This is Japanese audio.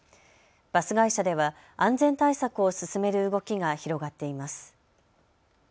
バス会社では安全対策を進める動きが広がっています。